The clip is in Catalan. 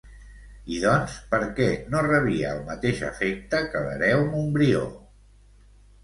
I doncs, per què no rebia el mateix afecte que l'hereu Montbrió?